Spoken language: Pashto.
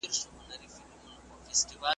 ترانه یې لا تر خوله نه وه وتلې .